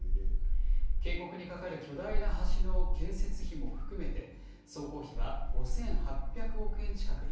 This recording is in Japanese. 渓谷に架かる巨大な橋の建設費も含めて、総工費は５８００億円近くに。